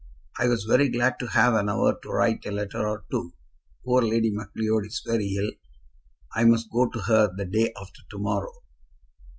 "I was very glad to have an hour to write a letter or two. Poor Lady Macleod is very ill. I must go to her the day after to morrow."